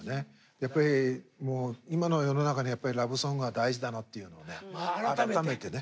やっぱりもう今の世の中にラブソングは大事だなっていうのをね改めてね。